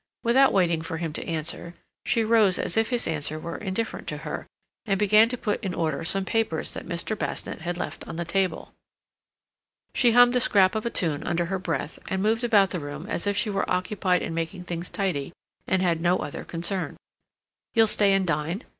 Without waiting for him to answer, she rose as if his answer were indifferent to her, and began to put in order some papers that Mr. Basnett had left on the table. She hummed a scrap of a tune under her breath, and moved about the room as if she were occupied in making things tidy, and had no other concern. "You'll stay and dine?"